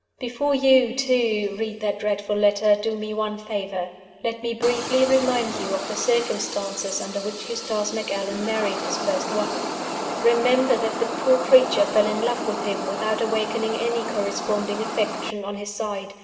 Before you, too, read that dreadful letter, do me one favor. Let me briefly remind you of the circumstances under which Eustace Macallan married his first wife. Remember that the poor creature fell in love with him without awakening any corresponding affection on his side.